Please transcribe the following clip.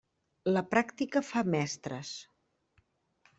La pràctica fa mestres.